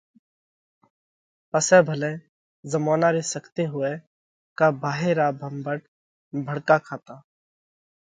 پسئہ ڀلئہ زمونا ري سختي هوئہ ڪا ڀاهي را ڀنڀٽ ڀڙڪا کاتا